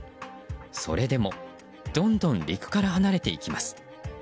それでもどんどん陸から離れていきます。